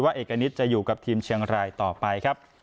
ว่าเอกณิตจะอยู่กับทีมเชียงรายต่อไป